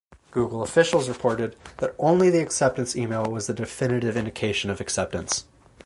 Google officials reported that only the acceptance email was the definitive indication of acceptance.